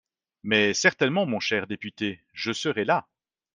Mais certainement, mon cher député, je serai là.